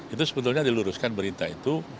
itu sebetulnya diluruskan berita itu